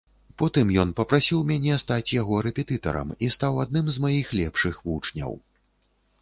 Потым ён папрасіў мяне стаць яго рэпетытарам і стаў адным з маіх лепшых вучняў.